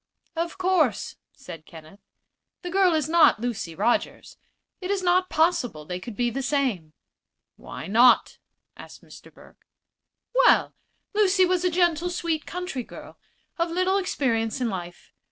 "Of course," said Kenneth, "the girl is not Lucy Rogers. It is not possible they could be the same." "Why not?" asked Mr. Burke. "Well, Lucy was a gentle, sweet country girl, of little experience in life.